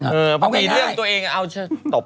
เออเพราะมีเรื่องตัวเองเอาช่วยตบให้